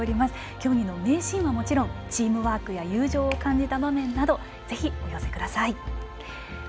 競技の名シーンはもちろんチームワークや友情を感じた場面などぜひお寄せください。